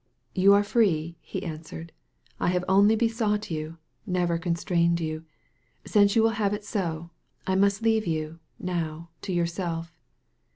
"You are free," he answered. "I have only be sought you, never constrained you. Since you will have it so, I must leave you, now, to yourself."